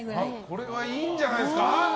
これはいいんじゃないですか